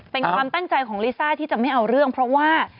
เป็นความตั้งใจของลิซ่าที่จะไม่เอาเรื่องเพราะว่า